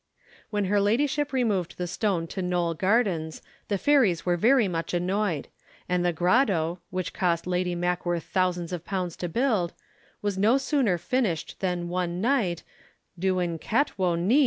When her ladyship removed the stone to Gnoll Gardens the fairies were very much annoyed; and the grotto, which cost Lady Mackworth thousands of pounds to build, was no sooner finished than one night, Duw'n catwo ni!